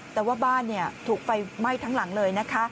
แต่ว่าบ้านถูกไฟไหม้ทั้งหลังเลยนะคะ